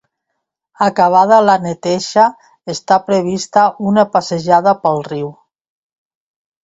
Acabada la neteja, està prevista una passejada pel riu.